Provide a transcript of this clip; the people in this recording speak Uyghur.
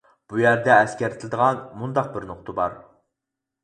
بۇ يەردە ئەسكەرتىلىدىغان مۇنداق بىر نۇقتا بار.